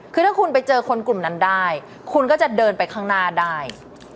คือถ้าคุณไปเจอคนกลุ่มนั้นได้คุณก็จะเดินไปข้างหน้าได้